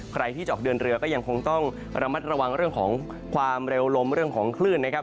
ใครที่จะออกเดินเรือก็ยังคงต้องระมัดระวังเรื่องของความเร็วลมเรื่องของคลื่นนะครับ